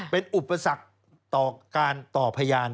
เป็นอุปสรรคต่อการต่อพยาน